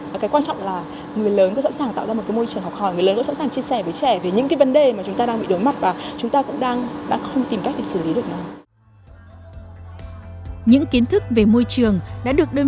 và cái quan trọng là người lớn có sẵn sàng tạo ra một cái môi trường học hỏi người lớn sẵn sàng chia sẻ với trẻ về những cái vấn đề mà chúng ta đang bị đối mặt và chúng ta cũng đang không tìm cách để xử lý được nó